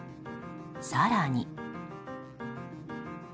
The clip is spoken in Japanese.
更に。